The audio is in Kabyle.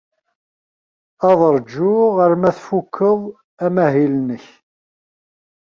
Ad ṛjuɣ arma tfuked amahil-nnek.